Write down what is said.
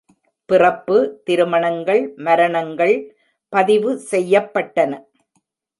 பிறப்பு, திருமணங்கள், மரணங்கள் பதிவு செய்யப்பட்டன.